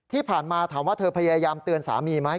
ที่ผ่านมาถามว่าเธอพยายามเตือนสามีไหม